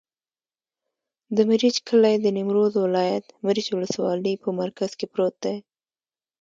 د مريچ کلی د نیمروز ولایت، مريچ ولسوالي په مرکز کې پروت دی.